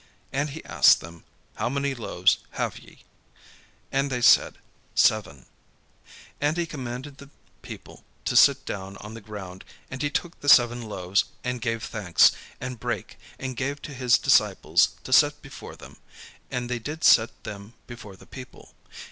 And he asked them: "How many loaves have ye?" And they said: "Seven." And he commanded the people to sit down on the ground: and he took the seven loaves, and gave thanks, and brake, and gave to his disciples to set before them; and they did set them before the people.